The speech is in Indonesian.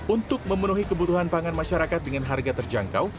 untuk memenuhi kebutuhan pangan masyarakat dengan harga terjangkau